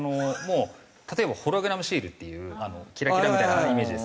例えばホログラムシールっていうキラキラみたいなイメージですね。